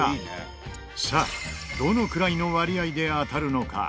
さあどのくらいの割合で当たるのか？